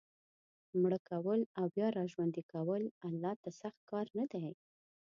مړه کول او بیا را ژوندي کول الله ته سخت کار نه دی.